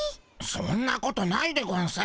そんなことないでゴンス。